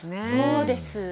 そうです。